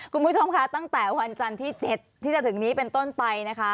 คุณผู้ชมค่ะตั้งแต่วันจันทร์ที่๗ที่จะถึงนี้เป็นต้นไปนะคะ